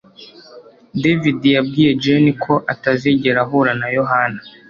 David yabwiye Jane ko atazigera ahura na Yohana